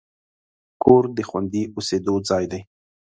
کور د خوندي اوسېدو ځای دی.